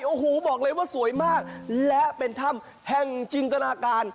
โอ้โหบอกเลยว่าสวยมากและเป็นถ้ำแห่งจินตนาการ